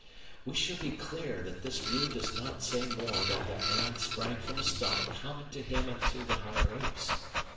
We should be clear that this view does not say more than that man sprang from a stock common to him and to the higher apes.